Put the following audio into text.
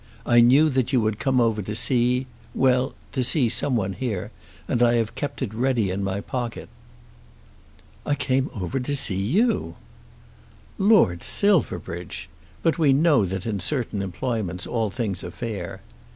I knew that you would come over to see well, to see someone here, and I have kept it ready in my pocket." "I came over to see you." "Lord Silverbridge! But we know that in certain employments all things are fair."